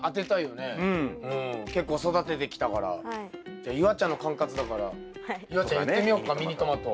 じゃあ夕空ちゃんの管轄だから夕空ちゃん言ってみようかミニトマト。